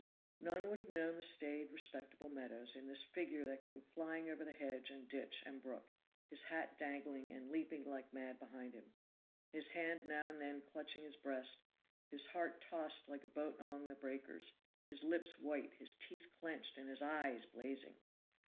None would have known the staid, respectable Meadows, in this figure that came flying over hedge and ditch and brook, his hat dangling and leaping like mad behind him, his hand now and then clutching his breast, his heart tossed like a boat among the breakers, his lips white, his teeth clinched and his eyes blazing!